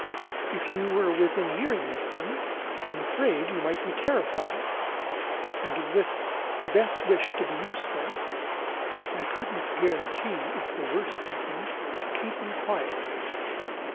If you were within hearing of him, I'm afraid you might be terrified, and, with the best wish to be useful, I couldn't guarantee (if the worst happened) to keep him quiet.